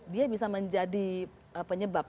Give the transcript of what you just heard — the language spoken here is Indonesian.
dia bisa menjadi penyebab